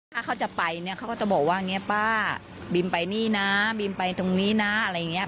ถ้าเขาจะไปเนี่ยเขาก็จะบอกว่าเนี่ยป้าบีมไปนี่นะบีมไปตรงนี้นะอะไรอย่างนี้